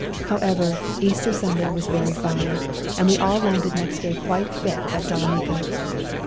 However, Easter Sunday was very fine, and we all landed next day quite fit at Salonica.